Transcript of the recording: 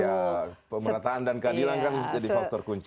ya pemerataan dan keadilan kan jadi faktor kunci